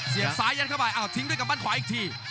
เสียบซ้ายอันเข้าไปอ่ะทิ้งด้วยกับบ้านขวาอีกที